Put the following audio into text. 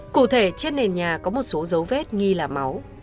cụ thể trên nền nhà có một số dấu vết nghi là máu